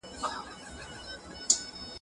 هر ګټور کتاب نوې پوهه لري.